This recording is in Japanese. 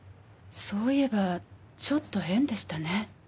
そういえばちょっと変でしたね。